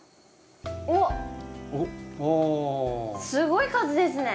おっすごい数ですね。